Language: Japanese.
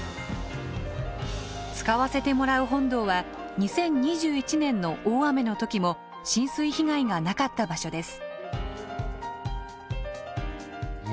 使わせてもらう本堂は２０２１年の大雨の時も浸水被害がなかった場所です。